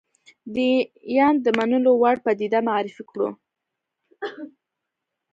دیانت د منلو وړ پدیده معرفي کړو.